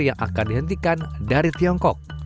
yang akan dihentikan dari tiongkok